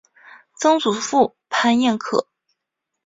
曾祖父潘彦可。